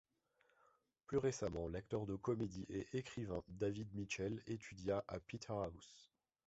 Plus récemment, l'acteur de comédie et écrivain David Mitchell étudia à Peterhouse.